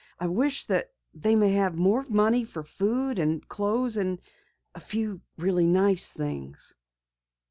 I wish that they may have more money for food and clothes and a few really nice things."